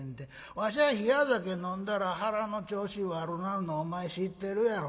わしは冷や酒飲んだら腹の調子悪なるのお前知ってるやろ。